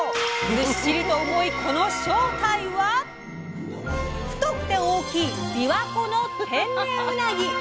ずっしりと重いこの正体は太くて大きいびわ湖の天然うなぎ。